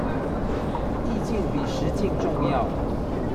意境比實境重要